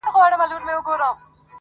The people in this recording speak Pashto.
• یو ناڅاپه یې زړه ډوب سو حال یې بل سو -